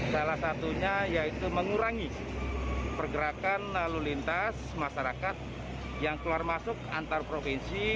salah satunya yaitu mengurangi pergerakan lalu lintas masyarakat yang keluar masuk antar provinsi